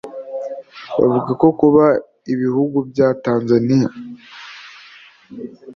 Bavuga ko kuba ibihugu bya Tanzania